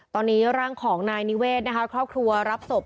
ตอนนี้ร่างของนายนิเวศนะคะครอบครัวรับศพ